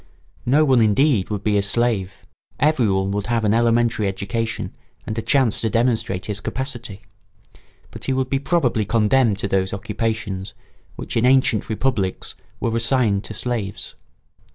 No one, indeed, would be a slave, everyone would have an elementary education and a chance to demonstrate his capacity; but he would be probably condemned to those occupations which in ancient republics were assigned to slaves.